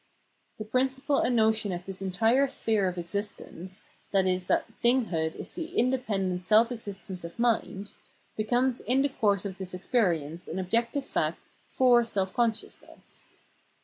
The principle and notion of this entire sphere of experience — viz. that "thinghood" is the independent self existence of mind — becomes in the course of this experience an objective fact for self consciousness.